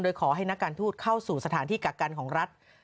โดยขอให้นักการทูตเข้าสู่สถานที่กักกันของรัฐ